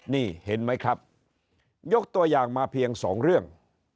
นี่เห็นไหมครับยกตัวอย่างมาเพียงสองเรื่อง